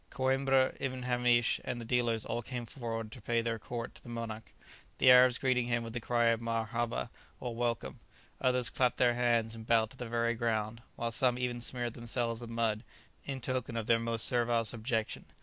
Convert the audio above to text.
Coïmbra, Ibn Hamish and the dealers all came forward to pay their court to the monarch, the Arabs greeting him with the cry of marhaba, or welcome; others clapped their hands and bowed to the very ground; while some even smeared themselves with mud, in token of their most servile subjection.